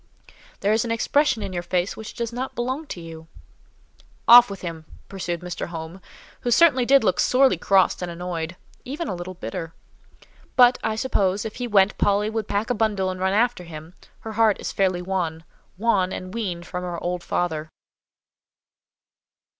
There is an expression in your face which does not belong to you." "Off with him!" pursued Mr. Home, who certainly did look sorely crossed and annoyed—even a little bitter; "but, I suppose, if he went, Polly would pack a bundle and run after him; her heart is fairly won—won, and weaned from her old father."